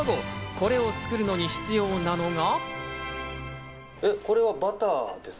これを作るのに必要なのが。